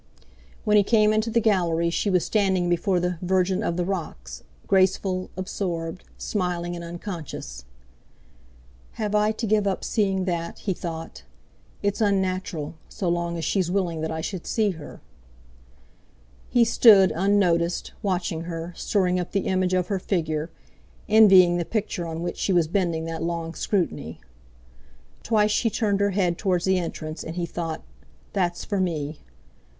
When he came into the Gallery she was standing before the "Virgin of the Rocks," graceful, absorbed, smiling and unconscious. "Have I to give up seeing that?" he thought. "It's unnatural, so long as she's willing that I should see her." He stood, unnoticed, watching her, storing up the image of her figure, envying the picture on which she was bending that long scrutiny. Twice she turned her head towards the entrance, and he thought: "That's for me!"